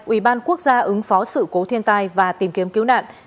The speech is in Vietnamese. ubnd quốc gia ứng phó sự cố thiên tai và tìm kiếm cứu nạn